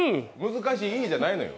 難しいじゃないのよ。